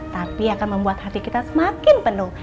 tapi akan membuat hati kita semakin penuh